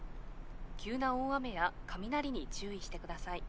急な大雨や雷に注意してください」。